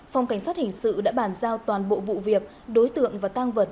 phòng cảnh sát hình sự đã bàn giao toàn bộ vụ việc đối tượng và tang vật